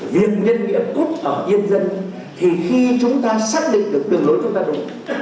việc nhân viện cốt ở nhân dân thì khi chúng ta xác định được đường lối chúng ta đúng